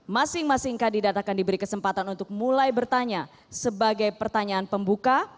masing masing kandidat akan diberi kesempatan untuk mulai bertanya sebagai pertanyaan pembuka